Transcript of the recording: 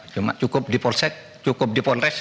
cuma cukup dipolsek cukup dipolres